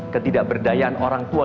ketidakberdayaan orang tua